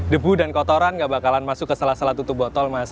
debu dan kotoran gak bakalan masuk ke salah salah tutup botol mas